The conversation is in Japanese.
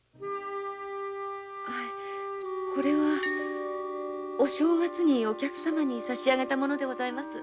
これはお正月にお客様に差し上げたものでございます。